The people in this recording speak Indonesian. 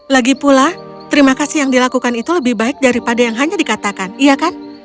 lagi pula terima kasih yang dilakukan itu lebih baik daripada yang hanya dikatakan iya kan